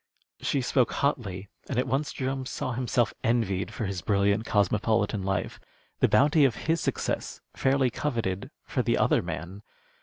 She spoke hotly, and at once Jerome saw himself envied for his brilliant cosmopolitan life, the bounty of his success fairly coveted for the other man.